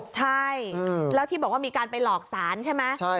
ใช่แล้วที่บอกว่ามีการไปหลอกสารใช่ไหม